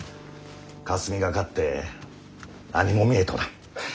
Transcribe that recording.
かすみがかって何も見えとらん。